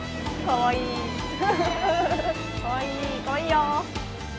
かわいいよ。